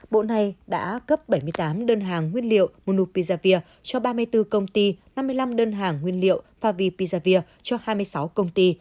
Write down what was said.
bộ này đã cấp bảy mươi tám đơn hàng nguyên liệu monu pizavir cho ba mươi bốn công ty năm mươi năm đơn hàng nguyên liệu pavisavir cho hai mươi sáu công ty